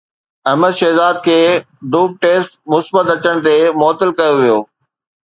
احمد شهزاد کي dope test مثبت اچڻ تي معطل ڪيو ويو